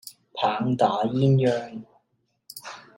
棒打鴛鴦